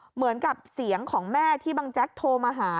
เหมือนกับเสียงของแม่ที่บังแจ๊กโทรมาหา